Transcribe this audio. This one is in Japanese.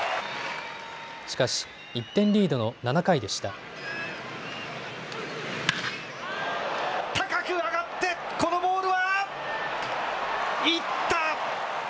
しかし１点リードの７回でした。